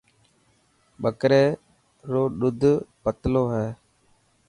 ٻڪري رو ڏوڌ پتلي هي.